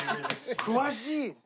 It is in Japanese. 詳しい。